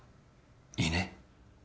いいね。